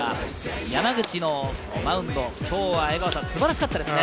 山口のマウンド、今日は素晴らしかったですね。